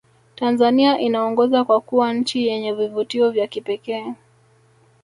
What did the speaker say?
tanzania inaongoza kwa kuwa nchi yenye vivutio vya kipekee